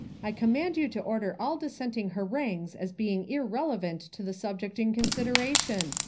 I command you to order all dis senting harangues as being irrelevant to the subject in consideration